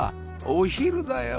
「お昼だよ」